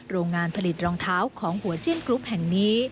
โรงงานผลิตรองเท้าของหัวจิ้นกรุ๊ปแห่งนี้